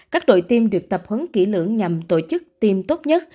các đội tiêm được tập huấn kỹ lưỡng nhằm tổ chức tiêm tốt nhất